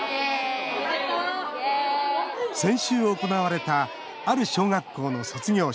先週、行われたある小学校の卒業式